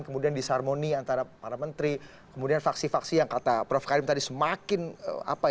kemudian disharmoni antara para menteri kemudian faksi faksi yang kata prof karim tadi semakin apa ya